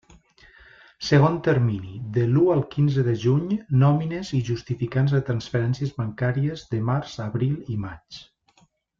Segon termini: de l'u al quinze de juny: nòmines i justificants de transferències bancàries de març, abril i maig.